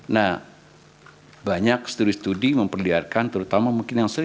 nah banyak studi studi memperlihatkan terutama mungkin yang sering